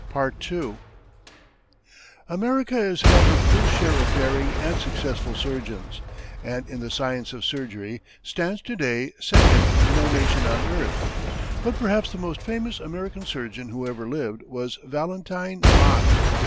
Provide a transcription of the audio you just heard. America has had her full share of daring and successful surgeons, and in the science of surgery stands to day second to no nation on earth, but perhaps the most famous American surgeon who ever lived was Valentine Mott.